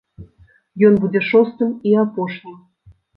Ён будзе шостым і апошнім.